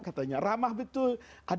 katanya ramah betul